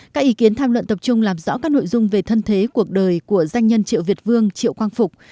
các ý kiến tham luận tập trung làm rõ các nội dung về thân thế cuộc đời của danh nhân triệu việt vương triệu quang phục